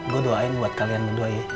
gue doain buat kalian berdua ya